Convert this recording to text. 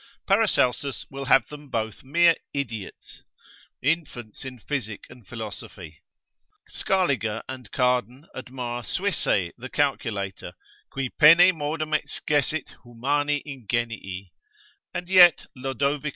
Paracelsus will have them both mere idiots, infants in physic and philosophy. Scaliger and Cardan admire Suisset the Calculator, qui pene modum excessit humani ingenii, and yet Lod.